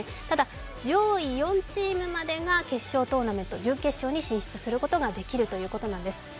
ただ上位４チームまでが決勝トーナメント準決勝に進出することができるということなんです。